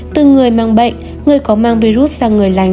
từ người mang bệnh người có mang virus sang người lành